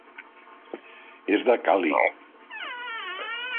És de Cali.